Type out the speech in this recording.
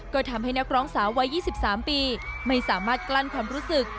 ก็ทำให้นักร้องสาววัย๒๓ปีไม่สามารถกลั้นความรู้สึก